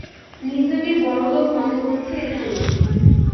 নিজেকে বড়লোক মনে হচ্ছে এখানে।